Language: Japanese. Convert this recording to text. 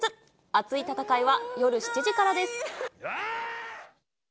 熱い戦いは、夜７時からです。